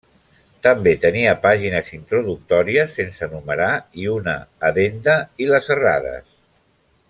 També tenia pàgines introductòries sense numerar i una addenda i les errades.